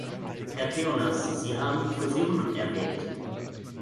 Herr Theonas, Sie haben die Fusionen erwähnt.